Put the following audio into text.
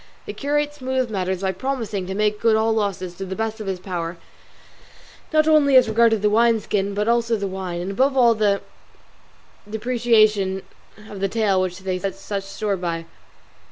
The curate smoothed matters by promising to make good all losses to the best of his power, not only as regarded the wine skins but also the wine, and above all the depreciation of the tail which they set such store by.